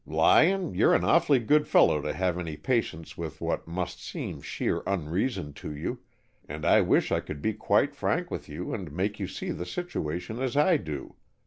"Lyon, you're an awfully good fellow to have any patience with what must seem sheer unreason to you, and I wish I could be quite frank with you and make you see the situation as I do.